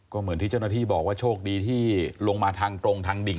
ก็เหมือนที่เจ้าหน้าที่บอกว่าโชคดีที่ลงมาทางตรงทางดิ่ง